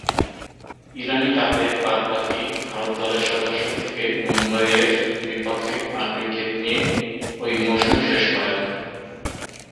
ইরানী কাপে বাদ-বাকী ভারত দলের সদস্য থেকে মুম্বইয়ের বিপক্ষে আট উইকেট নিয়ে ঐ মৌসুম শেষ করেন।